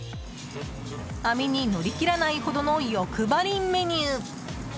網に乗り切らないほどの欲張りメニュー